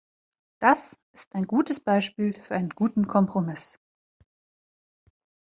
Das ist ein gutes Beispiel für einen guten Kompromiss.